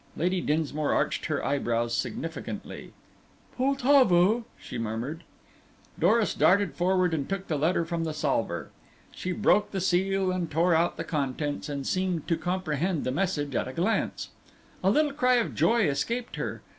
Lady Dinsmore arched her eyebrows significantly. "Poltavo!" she murmured. Doris darted forward and took the letter from the salver. She broke the seal and tore out the contents, and seemed to comprehend the message at a glance. A little cry of joy escaped her.